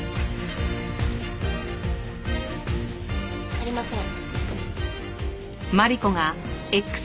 ありません。